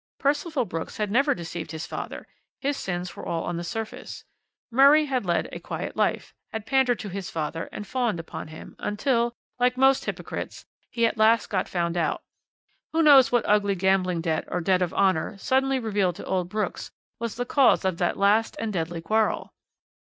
Percival Brooks had never deceived his father. His sins were all on the surface. Murray had led a quiet life, had pandered to his father, and fawned upon him, until, like most hypocrites, he at last got found out. Who knows what ugly gambling debt or debt of honour, suddenly revealed to old Brooks, was the cause of that last and deadly quarrel?